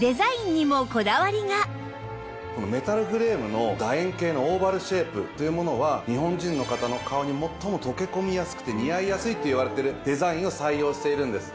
そしてメタルフレームの楕円形のオーバルシェイプというものは日本人の方の顔に最も溶け込みやすくて似合いやすいっていわれてるデザインを採用しているんです。